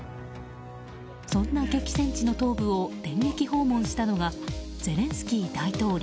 そんな激戦地の東部を電撃訪問したのがゼレンスキー大統領。